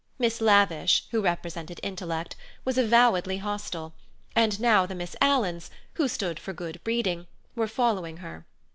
Miss Lavish, who represented intellect, was avowedly hostile, and now the Miss Alans, who stood for good breeding, were following her.